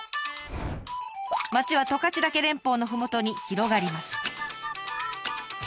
町は十勝岳連峰のふもとに広がります。